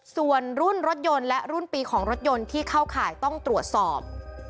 ส่วนรุ่นรถยนต์และรุ่นปีของรถยนต์ที่เข้าข่ายต้องตรวจสอบ